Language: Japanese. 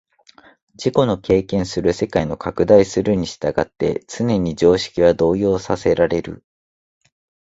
自己の経験する世界の拡大するに従って常識は動揺させられる。